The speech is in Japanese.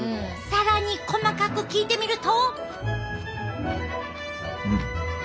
更に細かく聞いてみると。